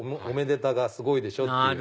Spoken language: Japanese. おめでたがすごいでしょ！って。